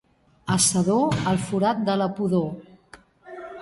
A Sedó, el forat de la pudor.